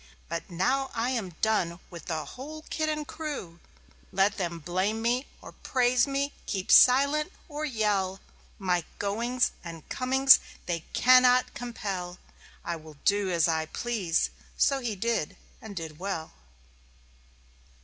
But now I am done with the whole kit and crew. "Let them blame me or praise me, keep silent or yell, My goings and comings they cannot compel. I will do as I please!"...So he did and did well.